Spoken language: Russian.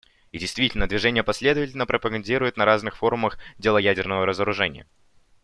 И действительно, Движение последовательно пропагандирует на разных форумах дело ядерного разоружения.